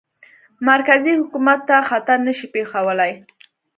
مرکزي حکومت ته خطر نه شي پېښولای.